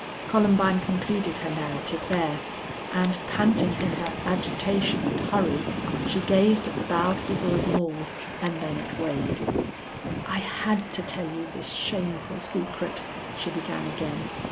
Columbine concluded her narrative there, and, panting from her agitation and hurry, she gazed at the bowed figure of Moore, and then at Wade. "I had to tell you this shameful secret," she began again.